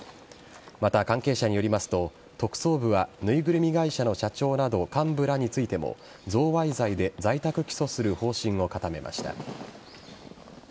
また、関係者によりますと特捜部は縫いぐるみ会社の社長など幹部らについても贈賄罪で在宅起訴する方針を固めました。